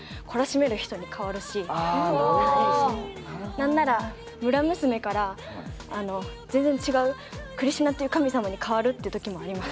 何なら村娘から全然違うクリシュナという神様に変わるって時もあります。